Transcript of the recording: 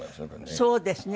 そうですね。